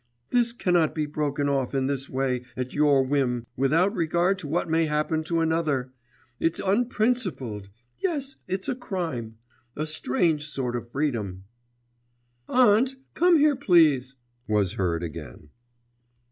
This cannot be broken off in this way, at your whim, without regard to what may happen to another! It's unprincipled ... yes, it's a crime; a strange sort of freedom!' 'Aunt, come here please,' was heard again.